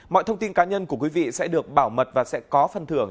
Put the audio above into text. mọi thông tin cá nhân của quý vị sẽ được bảo mật và sẽ có phần thưởng